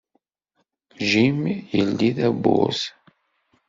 Jim yeldi tawwurt.